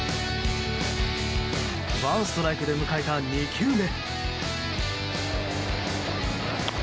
ワンストライクで迎えた２球目。